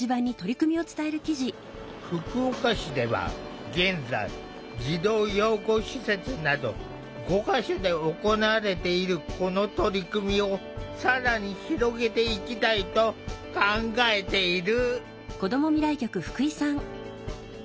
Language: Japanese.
福岡市では現在児童養護施設など５か所で行われているこの取り組みを更に広げていきたいと考えている。